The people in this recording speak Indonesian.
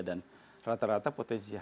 dan rata rata potensi harga juga